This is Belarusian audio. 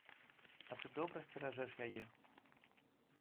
А ты добра сцеражэш яе?